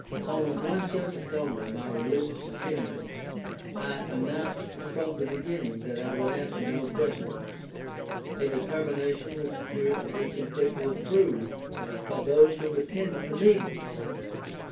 On one subject only, my religious opinions, I announced from the beginning that I would answer no questions; a determination which appeared to be completely approved by those who attended the meetings.